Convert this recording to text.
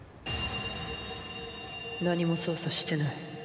何も操作してない。